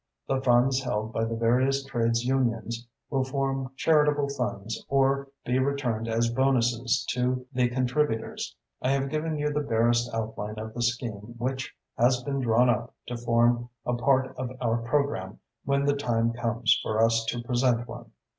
The funds held by the various trades unions will form charitable funds or be returned as bonuses to the contributors. I have given you the barest outline of the scheme which has been drawn up to form a part of our programme when the time comes for us to present one.